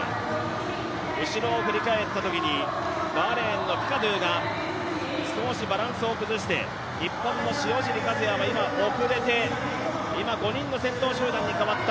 後ろを振り返ったときにバーレーンのフィカドゥが少しバランスを崩して日本の塩尻和也は遅れて、今、５人の先頭集団に変わった。